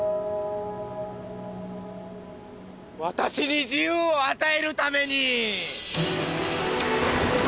わたしに自由を与えるために！